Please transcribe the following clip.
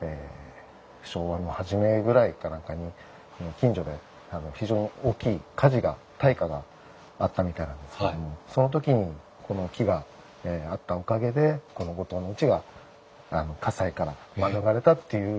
昭和の初めぐらいか何かに近所で非常に大きい火事が大火があったみたいなんですけどその時にこの木があったおかげでこの後藤のうちが火災から免れたっていう。